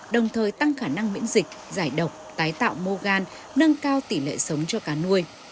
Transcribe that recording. đồng thời tăng khả năng miễn dịch giải độc tái tạo môgan nâng cao tỷ lệ sống cho cá nuôi